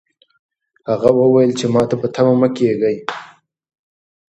هغه وویل چې ماته په تمه مه کېږئ.